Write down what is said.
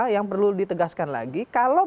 yang perlu ditegaskan lagi kalau